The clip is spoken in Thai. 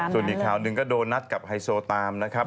ส่วนอีกข่าวหนึ่งก็โดนนัดกับไฮโซตามนะครับ